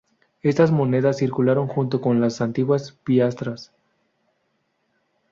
Estas monedas circularon junto con las antiguas piastras.